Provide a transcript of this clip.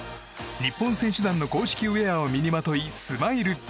日本選手団の公式ウェアを身にまとい、スマイル。